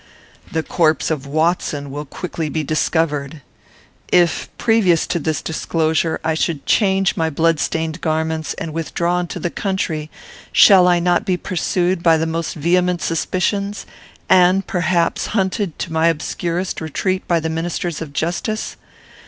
The corpse of Watson will quickly be discovered. If, previous to this disclosure, I should change my blood stained garments and withdraw into the country, shall I not be pursued by the most vehement suspicions, and, perhaps, hunted to my obscurest retreat by the ministers of justice?